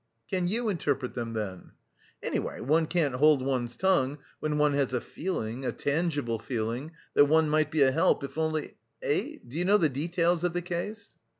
"Can you interpret them, then?" "Anyway, one can't hold one's tongue when one has a feeling, a tangible feeling, that one might be a help if only.... Eh! Do you know the details of the case?"